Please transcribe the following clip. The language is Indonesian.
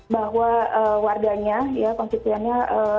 bahwa warganya konstitusinya